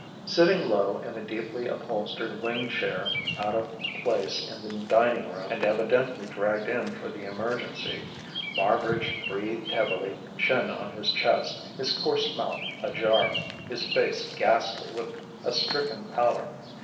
Sitting low in a deeply upholstered wing chair out of place in the dining room and evidently dragged in for the emergency Marbridge breathed heavily, chin on his chest, his coarse mouth ajar, his face ghastly with a stricken pallor.